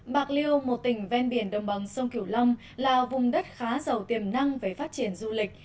bạc liêu một tỉnh ven biển đồng bằng sông kiểu long là vùng đất khá giàu tiềm năng về phát triển du lịch